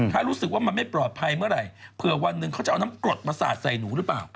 ถ้ารู้สึกว่ามันไม่ปลอดภัยเมื่อไหร่เผื่อวันหนึ่งเขาจะเอาน้ำกรดมาสาดใส่หนูหรือเปล่า